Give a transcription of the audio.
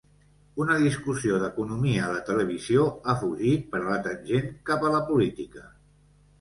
Una discussió d'economia a la televisió ha fugit per la tangent cap a la política.